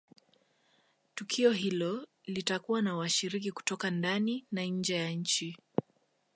tukio hilo litakuwa na washiriki kutoka ndani na nje ya nchi